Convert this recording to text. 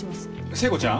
聖子ちゃん？